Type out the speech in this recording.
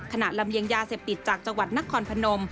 ลำเลียงยาเสพติดจากจังหวัดนครพนม